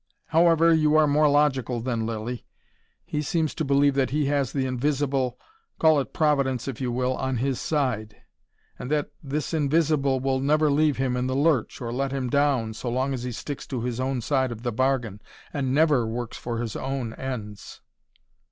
However, you are more logical than Lilly. He seems to believe that he has the Invisible call it Providence if you will on his side, and that this Invisible will never leave him in the lurch, or let him down, so long as he sticks to his own side of the bargain, and NEVER works for his own ends.